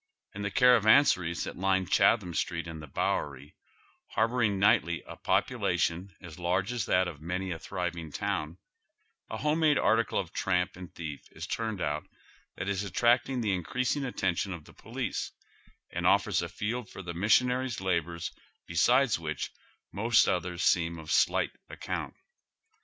In tlie caravanseries tliat line Chatliaui Street and the Bow ery, harboring nigljtly a population as large as that of many a thriving town, a home made article of tramp and thief is turned out that is attracting the increasing atten tion o£ the police, and offers a field for the missionary's labors beside which most others seem of slight account.